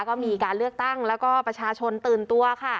ก็มีการเลือกตั้งแล้วก็ประชาชนตื่นตัวค่ะ